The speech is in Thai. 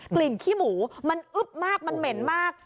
ขี้หมูมันอึ๊บมากมันเหม็นมาก